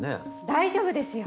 大丈夫ですよ。